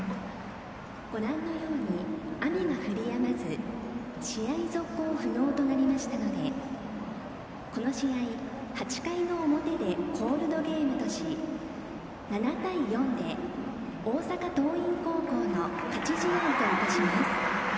雨が降りやまず試合続行不能となりましたためこの試合、８回の表でコールドゲームとし７対４で大阪桐蔭高校の勝ち試合といたします。